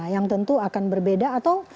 yang tentu akan berbeda atau